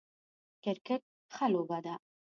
کرکټ ښه لوبه ده